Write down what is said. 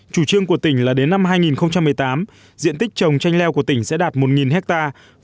chủ trương của tỉnh là đến năm hai nghìn một mươi tám diện tích trồng chanh leo của tỉnh sẽ đạt một hectare